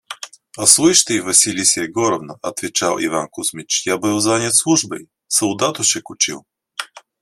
– «А слышь ты, Василиса Егоровна, – отвечал Иван Кузмич, – я был занят службой: солдатушек учил».